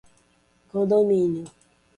condômino